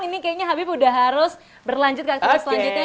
ini kayaknya habib udah harus berlanjut ke aktivitas selanjutnya